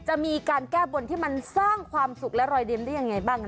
จะมีการแก้บนที่มันสร้างความสุขและรอยยิ้มได้ยังไงบ้าง